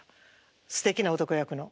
すてきな男役の。